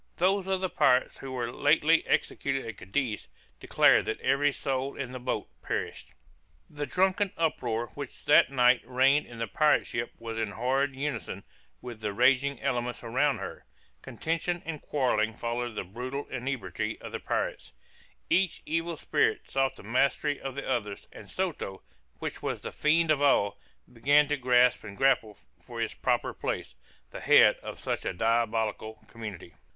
Those of the pirates who were lately executed at Cadiz, declared that every soul in the boat perished. [Illustration: The Pirates carrying rum on shore to purchase slaves.] The drunken uproar which that night reigned in the pirate ship was in horrid unison with the raging elements around her; contention and quarrelling followed the brutal ebriety of the pirates; each evil spirit sought the mastery of the others, and Soto's, which was the fiend of all, began to grasp and grapple for its proper place the head of such a diabolical community.